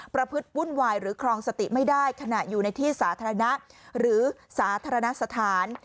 ประพฤติวุ่นวายหรือครองสติไม่ได้ขณะอยู่ในที่สาธารณะหรือสาธารณสถาน